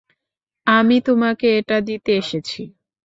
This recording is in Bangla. আমি তোমাকে এটা দিতে এসেছি।